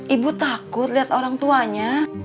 ibu takut lihat orang tuanya